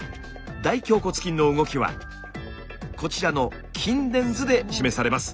大頬骨筋の動きはこちらの筋電図で示されます。